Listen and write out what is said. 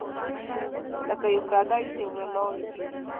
لکه یو پردی چي ولاړ وي .